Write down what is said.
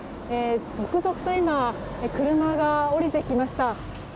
続々と今、車が下りてきました。